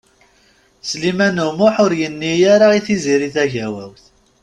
Sliman U Muḥ ur yenni ara i Tiziri Tagawawt.